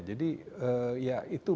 jadi ya itu